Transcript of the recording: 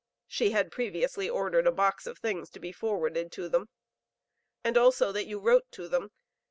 (She had previously ordered a box of things to be forwarded to them.) And also that you wrote to them.